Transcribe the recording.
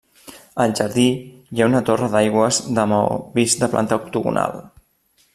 Al jardí hi ha una torre d'aigües de maó vist de planta octogonal.